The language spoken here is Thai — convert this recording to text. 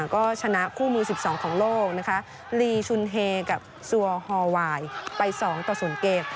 ก็ชนะคู่มือ๑๒ของโลกนะคะลีชุนเฮกับซัวฮอลวายไป๒ต่อ๐เกม